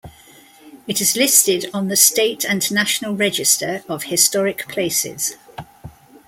It is listed on the State and National Register of Historic Places.